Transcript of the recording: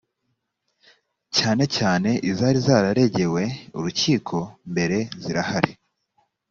cyane cyane izari zararegewe urukiko mbere zirahari